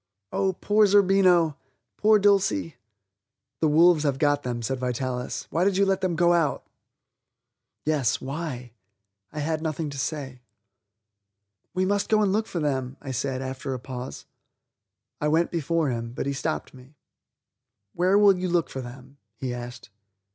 Oh, poor Zerbino; poor Dulcie! "The wolves have got them," said Vitalis; "why did you let them go out?" Yes? why? I had nothing to say. "We must go and look for them," I said after a pause. I went before him, but he stopped me. "Where will you look for them?" he asked.